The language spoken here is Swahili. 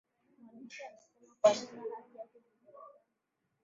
mwandishi anaweza kuandika hati yake vizuri sana